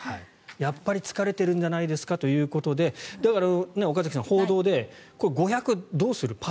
やっぱり疲れてるんじゃないですかということでだから、岡崎さん報道で５００ｍどうする？